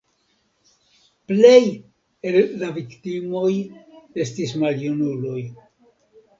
Plej el la viktimoj estis maljunuloj.